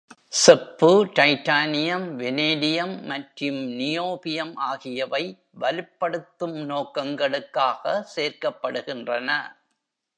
செப்பு, titanium, vanadium மற்றும் niobium ஆகியவை வலுப்படுத்தும் நோக்கங்களுக்காக சேர்க்கப்படுகின்றன.